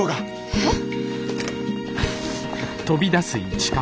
えっ！？